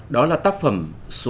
đó là tác phẩm số năm